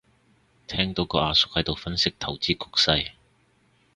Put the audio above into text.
聽到個阿叔喺度分析投資局勢